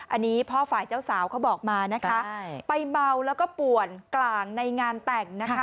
อันนี้พ่อฝ่ายเจ้าสาวเขาบอกมานะคะไปเบาแล้วก็ป่วนกลางในงานแต่งนะคะ